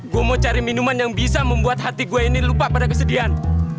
gue mau cari minuman yang bisa membuat hati gue ini lupa pada kesedihan